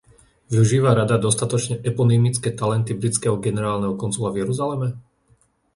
Využíva Rada dostatočne eponymické talenty britského generálneho konzula v Jeruzaleme?